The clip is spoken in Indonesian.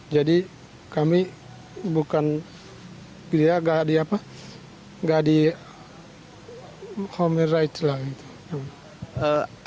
jadi kami bukan dia gak di apa gak di homerite lah